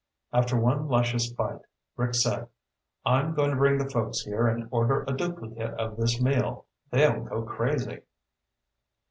After one luscious bite, Rick said, "I'm going to bring the folks here and order a duplicate of this meal. They'll go crazy."